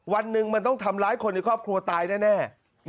วันหนึ่งมันต้องทำร้ายคนในครอบครัวตายแน่